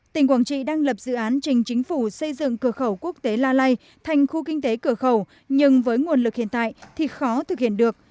tỉnh quảng trị đang lập dự án trình chính phủ xây dựng cửa khẩu quốc tế la lai thành khu kinh tế cửa khẩu nhưng với nguồn lực hiện tại thì khó thực hiện được